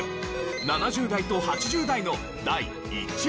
７０代と８０代の第１位。